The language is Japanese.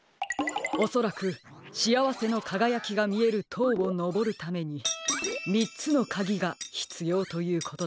おそらく「しあわせのかがやき」がみえるとうをのぼるために３つのかぎがひつようということでしょう。